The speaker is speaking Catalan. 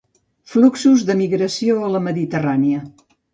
Fluxos de migració a la Mediterrània.